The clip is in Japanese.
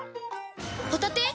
ホタテ⁉